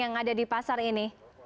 yang ada di pasar ini